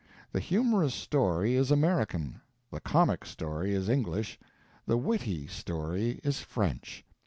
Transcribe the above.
The humorous story is American, the comic story is English, the witty story is French.